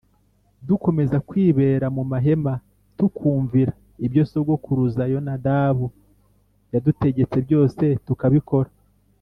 dukomeza kwibera mu mahema tukumvira ibyo sogokuruza Yonadabu yadutegetse byose tukabikora